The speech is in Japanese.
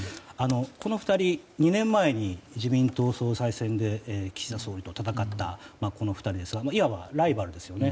この２人２年前に自民党総裁選で岸田総理と戦ったこの２人ですがいわばライバルですよね。